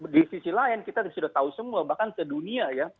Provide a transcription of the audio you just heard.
di sisi lain kita sudah tahu semua bahkan sedunia ya